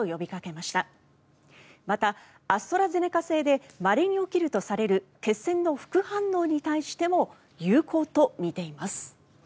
また、アストラゼネカ製でまれに起きるとされる血栓の副反応に対しても有効とみています。